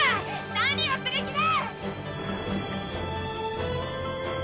何をする気だ！